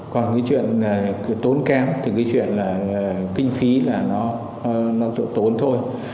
còn cái chuyện tốn kém thì cái chuyện là kinh phí là nó tốn thôi